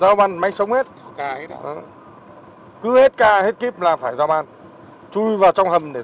được không chắc chắn là được